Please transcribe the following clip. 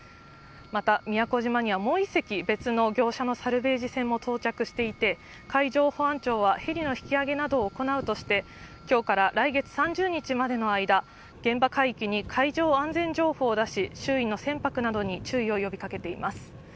また、宮古島にはもう１隻別の業者のサルベージ船も到着していて、海上保安庁は、ヘリの引き揚げなどを行うとして、きょうから来月３０日までの間、現場海域に海上安全情報を出し、周囲の船舶などに注意を呼びかけています。